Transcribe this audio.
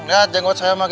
liat jenggot saya maginnya